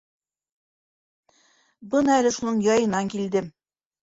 Бына әле шуның яйынан килдем.